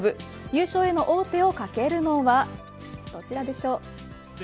優勝への王手をかけるのはどちらでしょう。